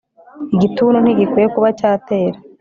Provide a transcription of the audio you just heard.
igituntu ntigikwiye kuba cyatera